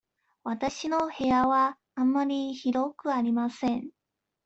わたしの部屋はあまり広くありません。